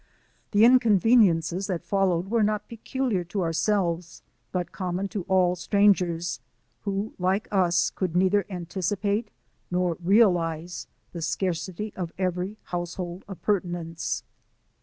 The inconveniences that fol lowed were not peculiar to ourselves, but common to all strangers, who like us could neither anticipate nor realize the scarcity of every household appurtenance.